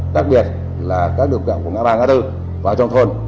đặc biệt là các đường kẹo của ngã ba ngã bốn vào trong thôn